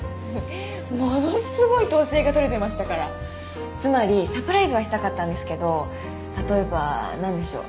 ものすごい統制が取れてましたからつまりサプライズはしたかったんですけど例えばなんでしょう？